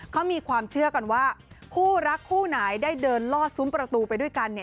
เขามีความเชื่อกันว่าคู่รักคู่ไหนได้เดินลอดซุ้มประตูไปด้วยกัน